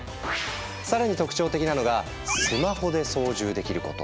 更に特徴的なのがスマホで操縦できること。